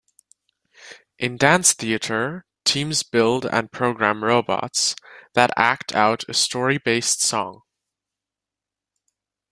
In Dance Theatre, teams build and program robots that act out a story-based song.